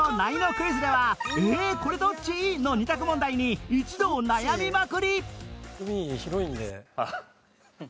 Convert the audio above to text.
クイズでは「ええこれどっち？」の２択問題に一同悩みまくり！